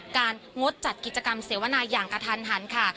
งดจัดกิจกรรมเสวนาอย่างกระทันหันค่ะ